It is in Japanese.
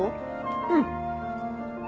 うん。